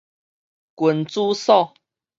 君子鎖